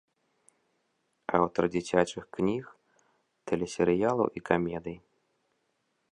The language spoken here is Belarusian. Аўтар дзіцячых кніг, тэлесерыялаў і камедый.